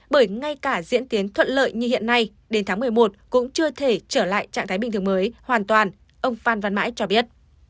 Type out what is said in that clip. bởi ngay cả diễn tiến thuận lợi như hiện nay đến tháng một mươi một cũng chưa thể trở lại trạng thái bình thường mới hoàn toàn ông phan văn mãi cho biết